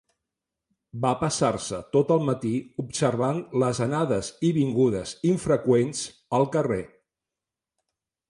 Va passar-se tot el matí observant les anades i vingudes infreqüents al carrer.